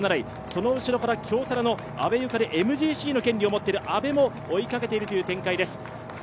その後ろから京セラのＭＧＣの権利を持っている阿部有香里も追いかけているという展開です。